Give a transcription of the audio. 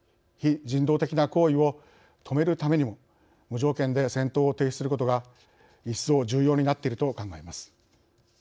非人道的な行為を止めるためにも無条件で戦闘を停止することが一層重要になっていると考えます。